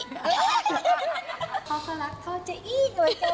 เขาก็รักเขาจะอี้